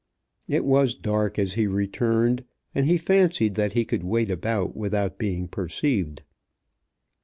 It was dark as he returned, and he fancied that he could wait about without being perceived.